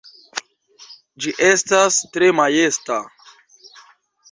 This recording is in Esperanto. Ĝi estas tre majesta!